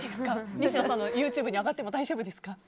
西野さんのＹｏｕＴｕｂｅに上がっても大丈夫ですか。